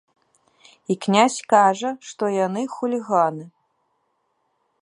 І князь кажа, што яны — хуліганы.